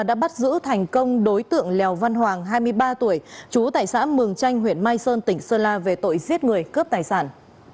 đã bắt giữ thành công đối tượng lèo văn hoàng hai mươi ba tuổi trú tại xã mường chanh huyện mai sơn tỉnh sơn la về tội giết người cướp tài sản